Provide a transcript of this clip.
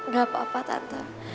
gak apa apa tante